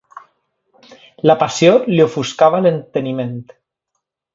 La passió li ofuscava l'enteniment.